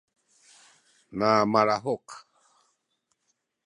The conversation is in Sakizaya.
na malahuk